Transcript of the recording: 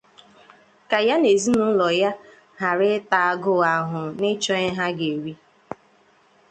ka ya na ezinaụlọ ya ghara ịtara agụụ ahụhụ n’ịchọ ihe ha ga-eri